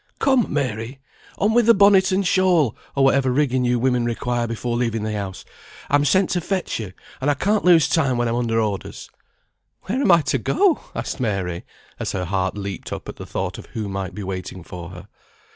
"Come, Mary! on with bonnet and shawl, or whatever rigging you women require before leaving the house. I'm sent to fetch you, and I can't lose time when I'm under orders." "Where am I to go to?" asked Mary, as her heart leaped up at the thought of who might be waiting for her.